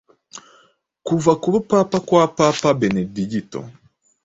kuva ku bupapa kwa Papa Benedigito